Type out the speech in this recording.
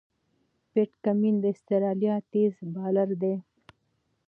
پیټ کمېن د استرالیا تېز بالر دئ.